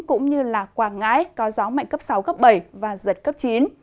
cũng như quảng ngãi có gió mạnh cấp sáu cấp bảy và giật cấp chín